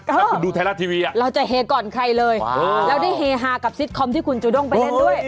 ถ้าคุณดูไทยรัฐทีวีเราจะเฮก่อนใครเลยแล้วได้เฮฮากับซิตคอมที่คุณจูด้งไปเล่นด้วย